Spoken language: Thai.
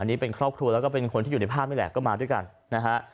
อันนี้เป็นครอบครัวแล้วก็เป็นคนที่อยู่ในภาพนี่แหละก็มาด้วยกันนะฮะ